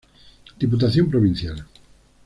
Diputación Prov.